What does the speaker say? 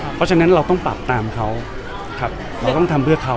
เพราะฉะนั้นเราต้องปรับตามเขาเราต้องทำเพื่อเขา